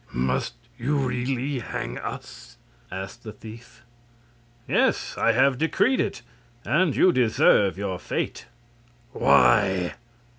"Must you really hang us?" asked the thief. "Yes; I have decreed it, and you deserve your fate." "Why?"